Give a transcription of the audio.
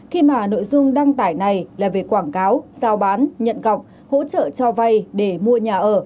khi mà nội dung đăng tải này là về quảng cáo giao bán nhận cọc hỗ trợ cho vay để mua nhà ở